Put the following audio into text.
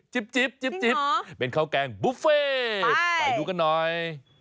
จิ๊บจิ๊บเป็นข้าวแกงบุฟเฟ่ไปดูกันหน่อย